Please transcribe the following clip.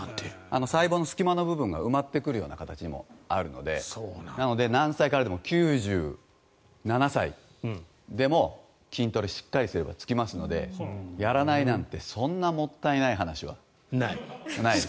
細胞の隙間の部分が埋まってくるような形にもなるのでなので何歳からでも９７歳でも筋トレしっかりすればつきますのでやらないなんてそんなもったいない話はないですね。